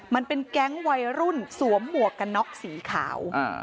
มันเป็นแก๊งวัยรุ่นสวมหมวกกันน็อกสีขาว